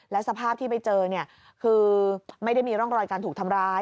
สภาพที่ไปเจอคือไม่ได้มีร่องรอยการถูกทำร้าย